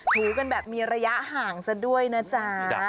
ถือกันแบบมีระยะห่างซะด้วยนะจ๊ะ